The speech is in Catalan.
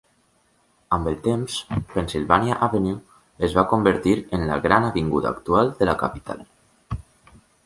Amb el temps, Pennsylvania Avenue es va convertir en la "gran avinguda" actual de la capital.